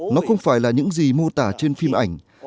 nó không phải là những gì mô tả trên phim ảnh